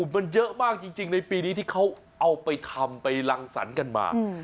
มันเยอะมากจริงในปีนี้ที่เขาเอาไปทำไปรังสรรค์กันมา